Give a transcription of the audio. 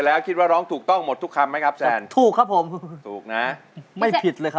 เลยวงคุณร้องทุกคำมั้ยครับแซลตู้กครับผมน่าไม่ผิดเลยครับ